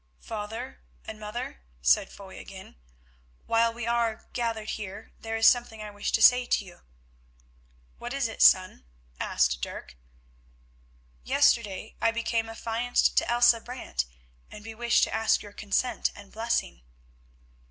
"Father and mother," said Foy again, "while we are gathered here there is something I wish to say to you." "What is it, son?" asked Dirk. "Yesterday I became affianced to Elsa Brant, and we wish to ask your consent and blessing."